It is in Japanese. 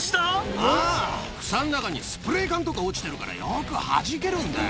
ああ、草の中にスプレー缶とか落ちてるから、よくはじけるんだよ。